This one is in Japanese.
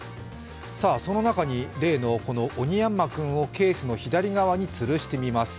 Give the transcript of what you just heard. さあその中に例のおにやんま君をケースの左側につるしてみます。